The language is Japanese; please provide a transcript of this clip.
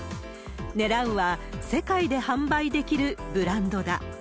ねらうは、世界で販売できるブランドだ。